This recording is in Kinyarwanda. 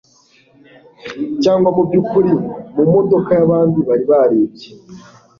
cyangwa, mubyukuri, mumodoka yabandi bari bibye